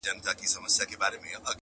ږغ به وچ سي په کوګل کي د زاغانو؛